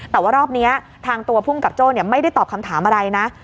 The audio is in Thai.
แต่ว่ารอบนี้ทางตัวภูมิกับโจ้ไม่ได้ตอบคำถามอะไรนะ